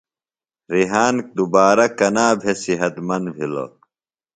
ریحان دُبارہ کنا بھےۡ صحت مند بِھلوۡ؟